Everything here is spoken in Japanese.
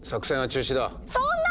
そんな！